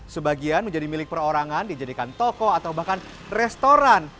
sebagian menjadi milik perorangan dijadikan toko atau bahkan restoran